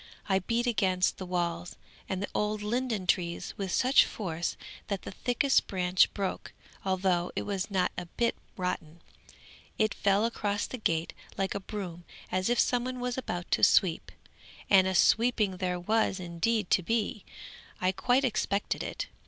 I beat against the walls and the old linden trees with such force that the thickest branch broke, although it was not a bit rotten. It fell across the gate like a broom, as if some one was about to sweep; and a sweeping there was indeed to be. I quite expected it.